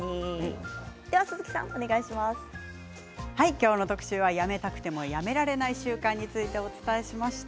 今日の特集はやめたくてもやめられない習慣についてお伝えしました。